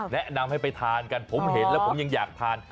แนะนำให้ไปทานกันผมเห็นแล้วผมยังอยากทาน